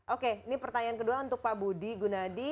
oke ini pertanyaan kedua untuk pak budi gunadi